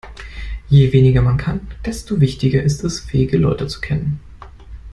Je weniger man selbst kann, desto wichtiger ist es, fähige Leute zu kennen.